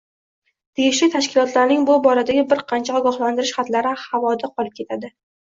Tegishli tashkilotlarning bu boradagi bir qancha ogohlantirish xatlari havoda qolib ketadi